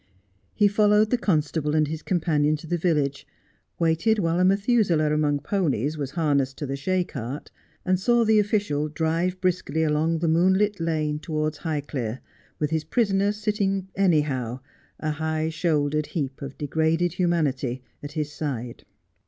He followed the constable and his companion to the village, waited while a Methuselah among ponies was harnessed to the shay cart, and saw the official drive briskly along the moonlit lane towards Highclere, with his prisoner sitting anyhow, a high shouldered heap of degraded humanity, at his side.